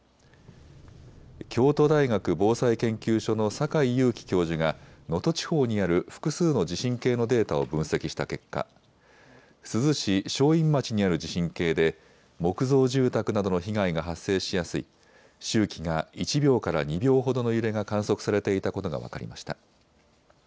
京都大学防災研究所の境有紀教授が能登地方にある複数の地震計のデータを分析した結果、珠洲市正院町にある地震計で木造住宅などの被害が発生しやすい周期が１秒から２秒ほどの揺れが観測されていたことが分かりました。